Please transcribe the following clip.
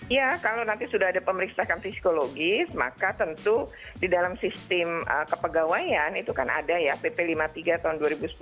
ya kalau nanti sudah ada pemeriksaan psikologis maka tentu di dalam sistem kepegawaian itu kan ada ya pp lima puluh tiga tahun dua ribu sepuluh